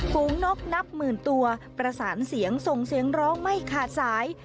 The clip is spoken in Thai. ฝูงนกนับหมื่นตัวประสานเสียงส่งเสียงร้องไม่ขาดสาย